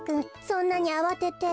そんなにあわてて。